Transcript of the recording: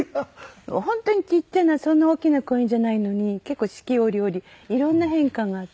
本当にちっちゃなそんな大きな公園じゃないのに結構四季折々いろんな変化があって。